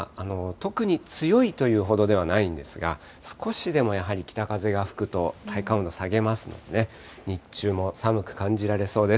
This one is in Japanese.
特に強いというほどではないんですが、少しでもやはり北風が吹くと体感温度下げますのでね、日中も寒く感じられそうです。